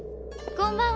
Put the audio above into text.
こんばんは。